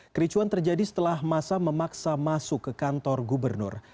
kericuhan terjadi setelah massa memaksa masuk ke kantor gubernur